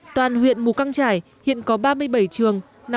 toàn huyện mù căng trải hiện có ba mươi bảy trường